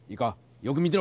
よく見てろ！